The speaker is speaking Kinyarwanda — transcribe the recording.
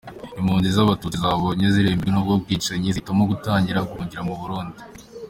Impunzi z’Abatutsi zabonye zirembejwe n’ubwo bwicanyi zihitamo gutangira guhungira mu Burundi.